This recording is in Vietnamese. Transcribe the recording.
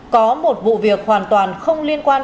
có một vụ việc hoàn toàn không liên quan